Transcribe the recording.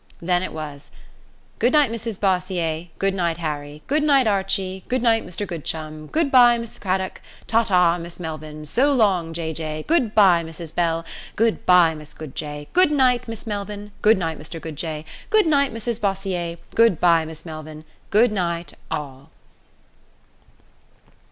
Then it was: "Good night, Mrs Bossier! Good night, Harry! Good night, Archie! Good night, Mr Goodchum! Good bye, Miss Craddock! Ta ta, Miss Melvyn! So long, Jay Jay! Good bye, Mrs Bell! Goodbye, Miss Goodjay! Good night, Miss Melvyn! Good night, Mr Goodjay! Good night, Mrs Bossier! Good bye, Miss Melvyn! Good night all!"